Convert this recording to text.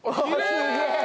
すげえ。